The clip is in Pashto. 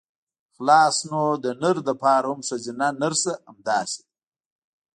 خلاص نو د نر لپاره هم ښځينه نرسه همداسې ده.